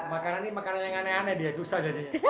makanan ini makanan yang aneh aneh dia susah jadi